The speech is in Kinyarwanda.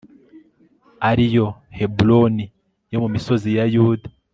ari yo heburoni yo mu misozi ya yuda